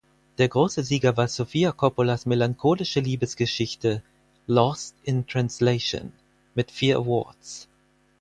Der große Sieger war Sofia Coppolas melancholische Liebesgeschichte "Lost in Translation" mit vier Awards.